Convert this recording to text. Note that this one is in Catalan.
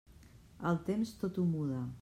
El temps, tot ho muda.